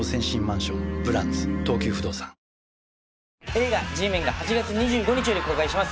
映画『Ｇメン』が８月２５日より公開します。